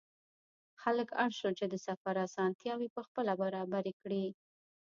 خلک اړ شول چې د سفر اسانتیاوې پخپله برابرې کړي.